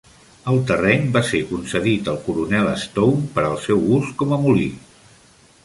El terreny va ser concedit al coronel Stone per al seu ús com a molí.